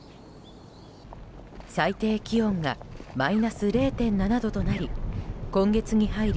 最低気温がマイナス０．７度となり今月に入り